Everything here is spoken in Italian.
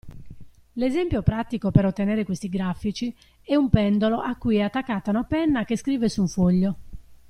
L'esempio pratico per ottenere questi grafici è un pendolo a cui è attaccata una penna che scrive su un foglio.